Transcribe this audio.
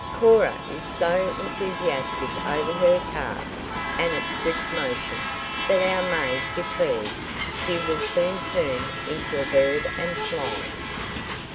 Cora is so enthusiastic over her car and its swift motion that our maid declares she will soon turn into a bird and fly."